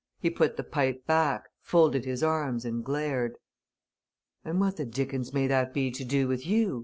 He put the pipe back, folded his arms and glared. "And what the dickens may that be to do with you?"